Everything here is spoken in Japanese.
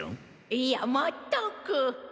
いやまったく。